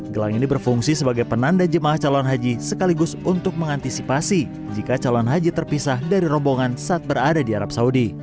gelang ini berfungsi sebagai penanda jemaah calon haji sekaligus untuk mengantisipasi jika calon haji terpisah dari rombongan saat berada di arab saudi